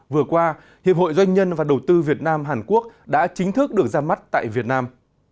vừa qua hiệp hội doanh nhân và đầu tư việt nam hàn quốc đã chính thức được ra mắt tại việt nam